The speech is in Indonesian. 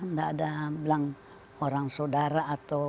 nggak ada bilang orang saudara atau